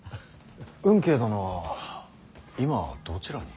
運慶殿は今どちらに？